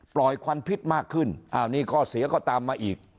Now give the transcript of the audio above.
ควันพิษมากขึ้นอ้าวนี่ข้อเสียก็ตามมาอีก